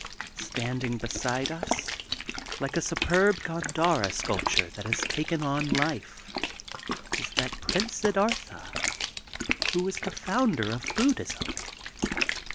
Standing be side us, like a snperb Gandhara sculpture that has taken on life is that Prince Siddartha who was the founder of Buddhism.